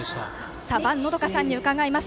ばんのどかさんに伺います。